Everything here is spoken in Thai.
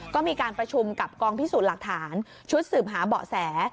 ก็มีการประชุมกับกองพิสูจน์หลักฐานชุดสืบหาเบาะแส